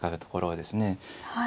はい。